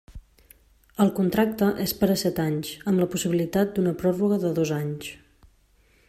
El contracte és per a set anys amb la possibilitat d'una pròrroga de dos anys.